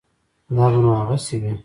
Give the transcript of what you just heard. دا به نو هغسې وي.